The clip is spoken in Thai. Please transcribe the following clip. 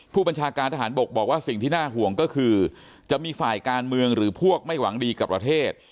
ผู้บัญชาการทหารบกบอกว่าสิ่งที่น่าห่วงก็คือจะมีฝ่ายการเมืองหรือพวกไม่หวังดีกับประเทศ